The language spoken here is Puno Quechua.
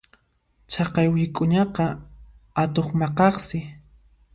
Chaqay wik'uñaqa atuq maqaqsi.